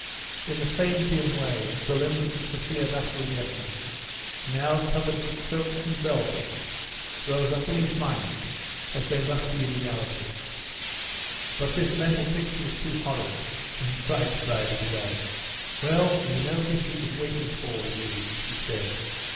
In the same dim way the limbs of Sophia Vasilievna, now covered with silks and velvets, rose up in his mind as they must be in reality; but this mental picture was too horrid and he tried to drive it away. "Well, you know Missy is waiting for you," she said.